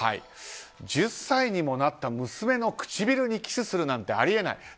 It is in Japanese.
１０歳にもなった娘の唇にキスするなんてあり得ない。